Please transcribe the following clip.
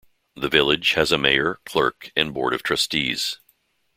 The Village has a mayor, clerk and board of trustees.